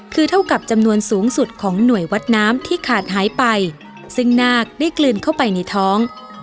คือเท่ากับจำนวนสูงสุดของหน่วยวัดน้ำที่ขาดหายไปซึ่งนาคได้กลืนเข้าไปในท้อง